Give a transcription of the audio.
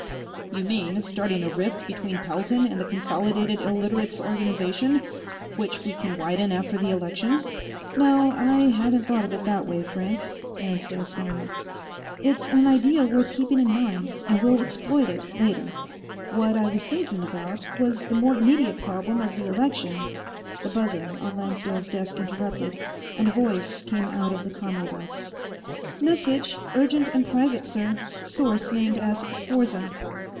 "You mean, starting a rift between Pelton and the Consolidated Illiterates' Organization, which we can widen after the election?" "No. I hadn't thought of it that way, Frank," Lancedale smiled. "It's an idea worth keeping in mind, and we'll exploit it, later. What I was thinking about was the more immediate problem of the election " The buzzer on Lancedale's desk interrupted, and a voice came out of the commo box: "Message, urgent and private, sir. Source named as Sforza."